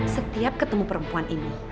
setiap ketemu perempuan ini